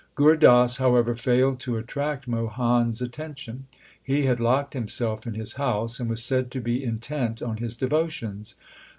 Gur Das, however, failed to attract Mohan s attention. He had locked himself in his house, and was said to be intent on his devo tions.